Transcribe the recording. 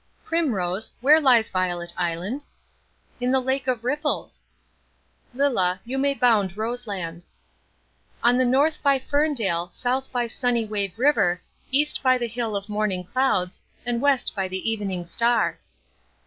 "Primrose, where lies Violet Island?" "In the Lake of Ripples." "Lilla, you may bound Rose Land." "On the north by Ferndale, south by Sunny Wave River, east by the hill of Morning Clouds, and west by the Evening Star."